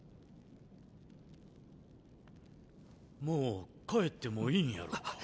もう帰ってもいいんやろうか？